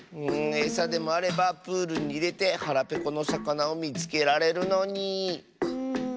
エサでもあればプールにいれてはらぺこのさかなをみつけられるのに。